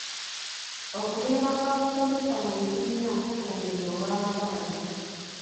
Okubeera kw'abasomesa mu bibiina kukendedde olw'amabanja.